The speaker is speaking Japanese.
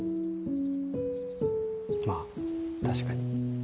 まあ確かに。